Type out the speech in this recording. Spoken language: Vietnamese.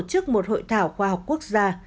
tổ chức một hội thảo khoa học quốc gia